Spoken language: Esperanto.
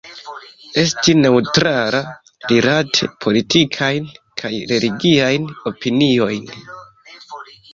Esti neŭtrala rilate politikajn kaj religiajn opiniojn.